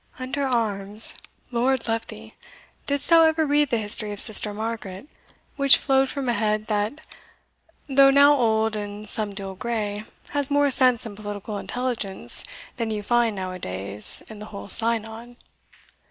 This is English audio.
"Under arms, Lord love thee! didst thou ever read the history of Sister Margaret, which flowed from a head, that, though now old and somedele grey, has more sense and political intelligence than you find now a days in the whole synod?